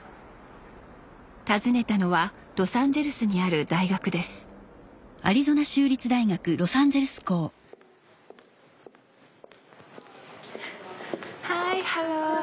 訪ねたのはロサンゼルスにある大学ですＨｉ，ｈｅｌｌｏ